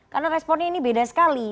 karena responnya ini beda sekali